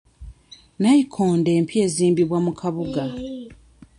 Nnayikondo empya ezimbibwa mu kabuga.